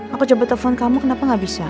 aku coba telepon kamu kenapa gak bisa